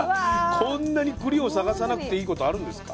こんなにくりを探さなくていいことあるんですか？